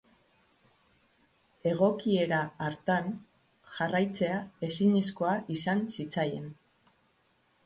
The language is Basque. Egokiera hartan jarraitzea ezinezkoa izan zitzaien.